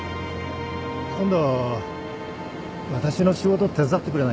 今度私の仕事手伝ってくれないか？